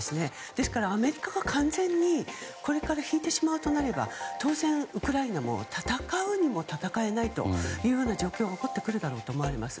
ですからアメリカが完全にこれから引いてしまうと当然、ウクライナも戦うにも戦えないという状況が起こってくるだろうと思われます。